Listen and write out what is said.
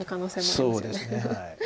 そうですねはい。